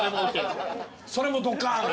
それもドカーン。